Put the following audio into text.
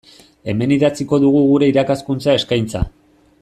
Hemen idatziko dugu gure irakaskuntza eskaintza.